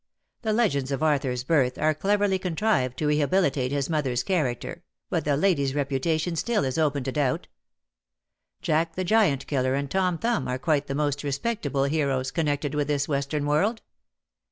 The legends of Arthur's birth are cleverl}^ contrived to rehabilitate his mother's character, but the lady's reputation still is open to doubt. Jack the Giant Killer and Tom Thumb are quite the most respectable heroes connected with this western world.